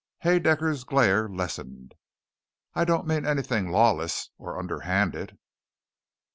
Haedaecker's glare lessened. "I don't mean anything lawless or underhanded."